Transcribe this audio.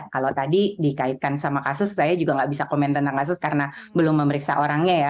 kalau tadi dikaitkan sama kasus saya juga nggak bisa komen tentang kasus karena belum memeriksa orangnya ya